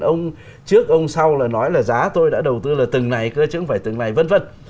ông trước ông sau là nói là giá tôi đã đầu tư là từng này cơ chứ không phải từng này vân vân